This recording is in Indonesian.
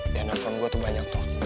ya telfon gue tuh banyak tuh